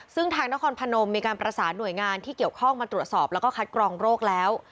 ซึ่งทางนครพนมมีการประสานหน่วยงานที่เกี่ยวข้องมาตรวจสอบแล้วก็คัดกรองโรคแล้ว